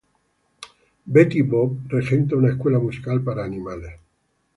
Betty Boop regenta una escuela musical para animales.